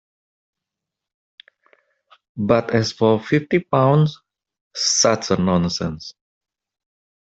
But as for fifty pounds — such nonsense!